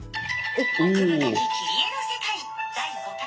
「奥深き切り絵の世界第５回」。